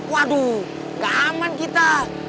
waduh gak aman kita